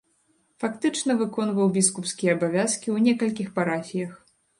Фактычна выконваў біскупскія абавязкі ў некалькіх парафіях.